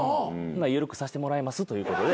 緩くさせてもらいますということで。